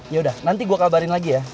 yaudah nanti gue kabarin lagi ya